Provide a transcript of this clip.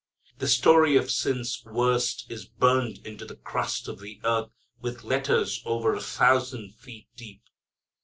The story of sin's worst is burned into the crust of the earth with letters over a thousand feet deep.